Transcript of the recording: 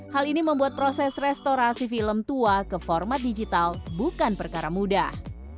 hal ini membuat proses restorasi film tua ke format digital bukan perkara mudah